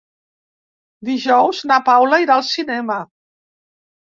Dijous na Paula irà al cinema.